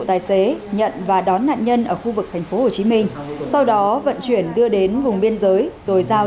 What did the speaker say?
tài xế nhận và đón nạn nhân ở khu vực thành phố hồ chí minh sau đó vận chuyển đưa đến hùng biên giới rồi giao